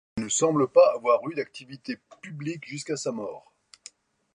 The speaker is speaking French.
Il ne semble pas avoir eu d’activité publique jusqu’à sa mort.